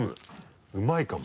うまいかも。